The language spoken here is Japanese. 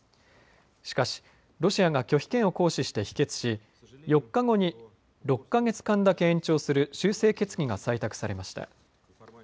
しかしロシアが拒否権を行使して否決し４日後に６か月間だけ延長する修正決議が採択されました。